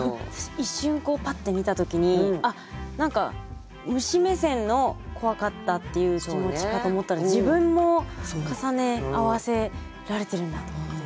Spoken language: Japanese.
一瞬こうパッて見た時に何か虫目線の「怖かった」っていう気持ちかと思ったら自分も重ね合わせられてるんだと思って。